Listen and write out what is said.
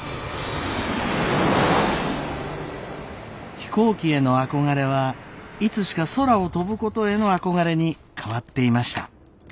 飛行機への憧れはいつしか空を飛ぶことへの憧れに変わっていました。